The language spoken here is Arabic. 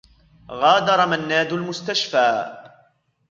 غادر منّاد المستشفى.